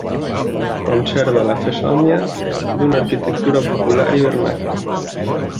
Conserva la fesomia d'una arquitectura popular i vernacle.